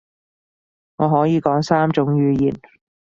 我可以講三種語言